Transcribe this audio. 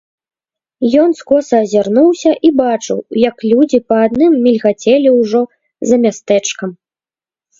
Ён скоса азірнуўся і бачыў, як людзі па адным мільгацелі ўжо за мястэчкам.